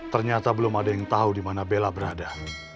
ternyata belum ada yang tahu di mana bella berada